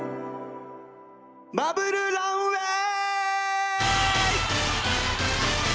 バブルランウェイ！